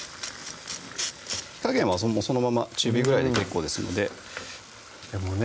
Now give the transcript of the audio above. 火加減はそのまま中火ぐらいで結構ですのででもね